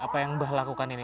apa yang mbah lakukan ini